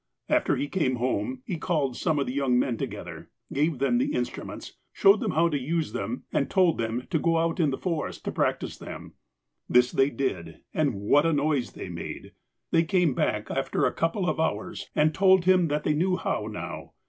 After he came home, he called some of the young men together, gave them the instruments, showed them how to use them, and told them to go out in the forest to practice on them. This they did, and what a noise they made ! They came back after a couple of hours, and told him that they knew how now.